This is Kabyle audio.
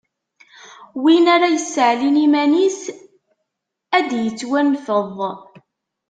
Win ara yesseɛlin iman-is, ad d-ittwanfeḍ.